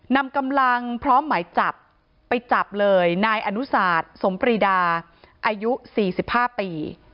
นำกำลังพร้อมหมายจับไปจับเลยนายอนุสาธสมปรีดาอายุ๔๕ปี